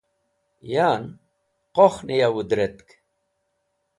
Yan qokhnẽ ya wũdretk.